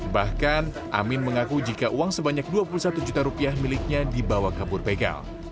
bahkan amin mengaku jika uang sebanyak dua puluh satu juta rupiah miliknya dibawa kabur begal